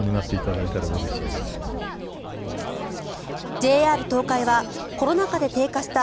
ＪＲ東海はコロナ禍で低下した